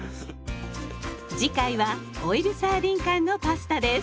次回はオイルサーディン缶のパスタです。